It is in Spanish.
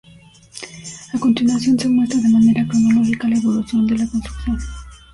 A continuación se muestra de manera cronológica la evolución de la construcción.